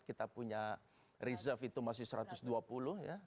kita punya reserve itu masih satu ratus dua puluh ya